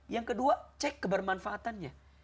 yang kedua cek kebermanfaatannya